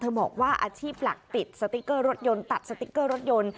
บอกว่าอาชีพหลักติดสติ๊กเกอร์รถยนต์ตัดสติ๊กเกอร์รถยนต์